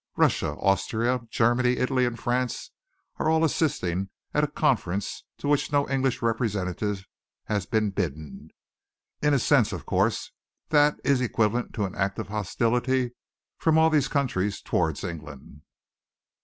"Russia, Austria, Germany, Italy, and France are all assisting at a Conference to which no English representative has been bidden. In a sense, of course, that is equivalent to an act of hostility from all these countries towards England.